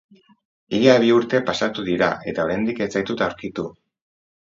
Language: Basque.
Ia bi urte pasatu dira eta oraindik ez zaitut aurkitu.